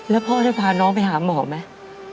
แล้วพ่อได้พาน้องไปหาหมอไหม